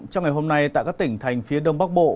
trong ngày hôm nay tại các tỉnh thành phía đông bắc bộ